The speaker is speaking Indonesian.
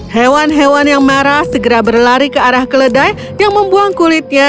hewan hewan yang marah segera berlari ke arah keledai yang membuang kulitnya